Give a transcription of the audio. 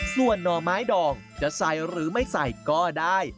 ส่วนหน่อไม้ดองจะใส่หรือไม่ใส่ก็ได้